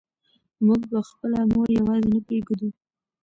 موږ به خپله مور یوازې نه پرېږدو.